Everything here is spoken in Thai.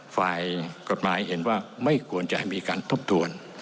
ฝ่ายกฎหมายเห็นว่าไม่ควรจะให้มีการทบทวน